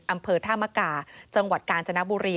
อำเภอธามกาจังหวัดกาญจนบุรี